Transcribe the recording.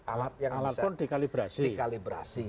alat pun dikalibrasi